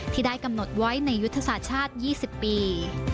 ที่ได้กำหนดไว้ในยุทธศาสตร์ชาติ๒๐ปี